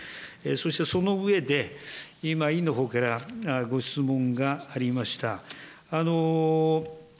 そしてその上で、今、委員のほうからご質問がありました。